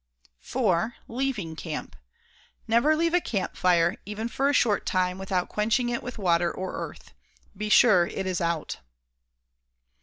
4. Leaving camp. Never leave a campfire, even for a short time, without quenching it with water or earth. Be sure it is OUT.